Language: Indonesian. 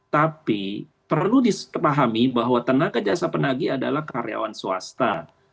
tapi perlu dipahami bahwa tenaga jasa penagi adalah karyawan swasta